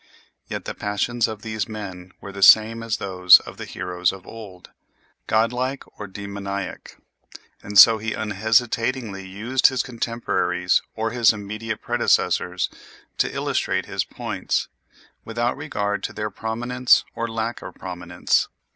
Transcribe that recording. Yet the passions of these men were the same as those of the heroes of old, godlike or demoniac; and so he unhesitatingly used his contemporaries, or his immediate predecessors, to illustrate his points, without regard to their prominence or lack of prominence.